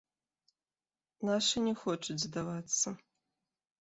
Нашы не хочуць здавацца.